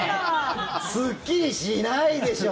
すっきりしないでしょう。